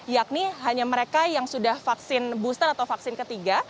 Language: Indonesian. yakni hanya mereka yang sudah vaksin booster atau vaksin ketiga